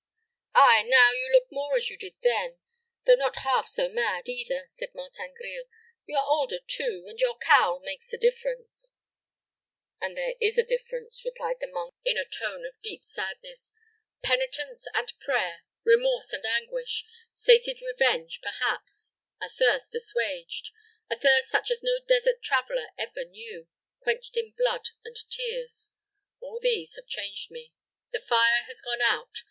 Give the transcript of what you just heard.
"Ay, now you look more as you did then, though not half so mad either," said Martin Grille. "You are older, too, and your cowl makes a difference." "And there is a difference," replied the monk, in a tone of deep sadness. "Penitence and prayer, remorse and anguish sated revenge, perhaps a thirst assuaged a thirst such as no desert traveler ever knew, quenched in blood and tears; all these have changed me. The fire has gone out.